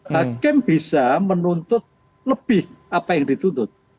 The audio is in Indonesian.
hakim bisa menuntut lebih apa yang dituntut